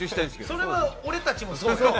それは俺たちもそうよ。